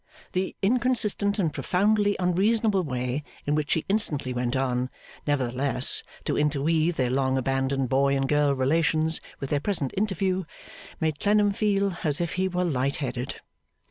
The inconsistent and profoundly unreasonable way in which she instantly went on, nevertheless, to interweave their long abandoned boy and girl relations with their present interview, made Clennam feel as if he were light headed.